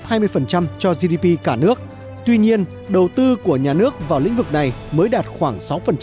nông nghiệp đóng góp hai mươi cho gdp cả nước tuy nhiên đầu tư của nhà nước vào lĩnh vực này mới đạt khoảng sáu